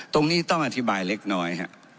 ต้องอธิบายเล็กน้อย